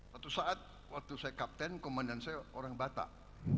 satu saat waktu saya kapten komandan saya orang batak